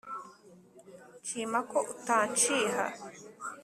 nshima ko utanshiha